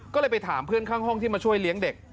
ก็เลยไปถามเพื่อนข้างห้องที่มาช่วยเลี้ยงเด็ก